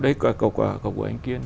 đấy cầu quả của anh kiên